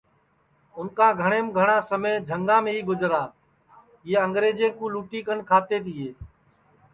اُن کا گھٹؔیم گھٹؔا سمے جھنگام ہی گُجرا یہ انگرجے کُو لُٹی کن کھاتے تیے